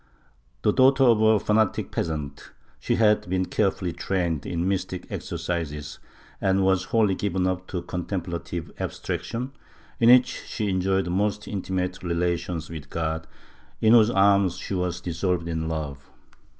The daughter of a fanatic peasant, she had been carefully trained in mystic exercises and was wholly given up to contemplative abstraction, in which she enjoyed the most intimate relations with God, in whose arms she was dissolved in love.